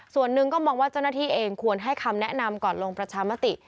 ส่วนหนึ่งก็มองว่าเจ้าหน้าที่เองควรให้คำแนะนำก่อนลงประชามติ